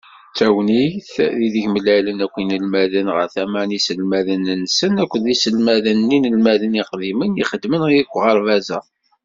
D tagnit ideg mlalen akk yinelmaden ɣer tama n yiselmaden-nsen akked yiselmaden d yinemhalen iqdimen ixedmen deg uɣerbaz-a.